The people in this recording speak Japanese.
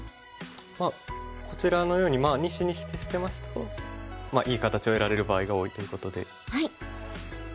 まあこちらのように２子にして捨てますといい形を得られる場合が多いということで。